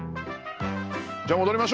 じゃあ戻りましょう。